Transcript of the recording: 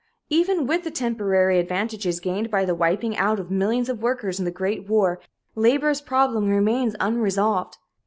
Even with the temporary advantages gained by the wiping out of millions of workers in the Great War, labor's problem remains unsolved.